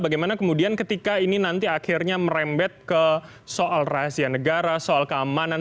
bagaimana kemudian ketika ini nanti akhirnya merembet ke soal rahasia negara soal keamanan